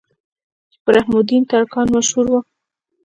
چې پۀ رحم الدين ترکاڼ مشهور وو